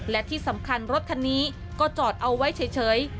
และที่สำคัญรถคันนี้ก็จอดเอาไว้เฉย